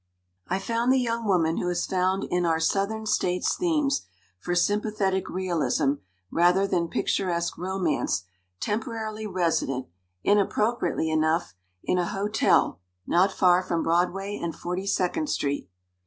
I found the young woman who has found in our Southern States themes for sympathetic realism rather than picturesque romance temporarily res ident, inappropriately enough, in a hotel not far from Broadway and Forty second Street.